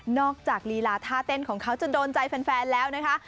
จากลีลาท่าเต้นของเขาจะโดนใจแฟนแล้วนะคะ